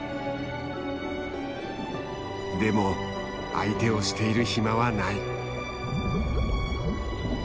でも相手をしている暇はない。